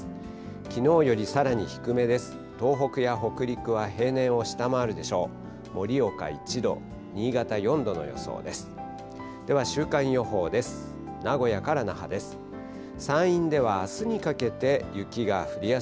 きのうよりさらに低めです。